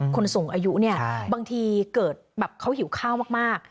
คนสูงอายุเนี่ยบางทีเกิดแบบเขาหิวข้าวมาก